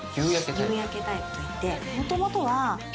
夕焼けタイプといって。